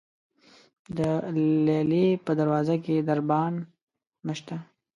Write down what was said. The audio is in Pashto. د لیلې په دروازه کې دربان نشته.